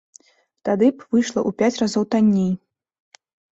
Тады б выйшла ў пяць разоў танней.